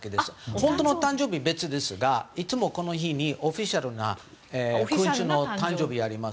本当の誕生日は別ですがいつもこの日にオフィシャルな誕生日をやります。